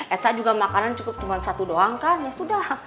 eta juga makanan cukup cuma satu doang kan ya sudah